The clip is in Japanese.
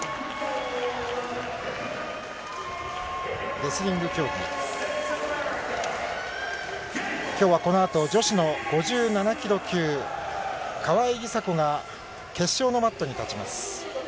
レスリング競技、きょうはこのあと、女子の５７キロ級、川井梨紗子が決勝のマットに立ちます。